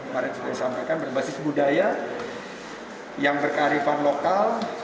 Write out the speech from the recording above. yang sudah disampaikan berbasis budaya yang berkarifan lokal